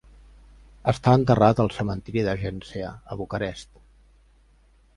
Està enterrat al cementiri de Ghencea, a Bucarest.